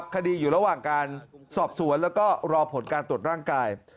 คดีอยู่ระหว่างการสอบสวนแล้วก็รอผลการตรวจร่างกาย